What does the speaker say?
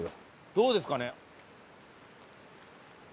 どうですかね？